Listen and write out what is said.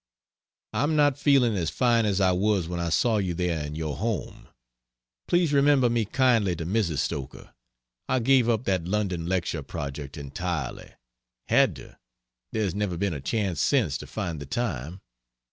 I'm not feeling as fine as I was when I saw you there in your home. Please remember me kindly to Mrs. Stoker. I gave up that London lecture project entirely. Had to there's never been a chance since to find the time.